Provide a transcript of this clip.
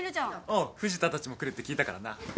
おう藤田たちも来るって聞いたからな。